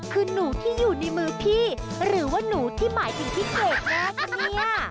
คือหนูที่อยู่ในมือพี่หรือว่าหนูที่หมายถึงพี่เกรดแน่คะเนี่ย